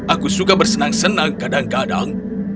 aku suka bersenang senang kadang kadang